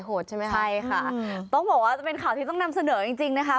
โหดค่ะต้องบอกว่าเป็นข่าวที่ต้องนำเสนอจริงนะคะ